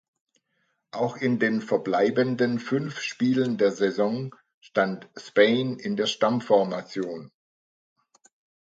Auch in den verbleibenden fünf Spielen der Saison stand Spain in der Stammformation.